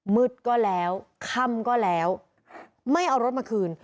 มืดก็แล้วค่ำก็แล้วไม่เอารถมาคืน